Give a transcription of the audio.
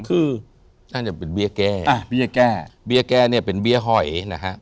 คือน่าจะเป็นเบี้ยแก้เบี้ยแก้เนี่ยเป็นเบี้ยหอยนะฮะ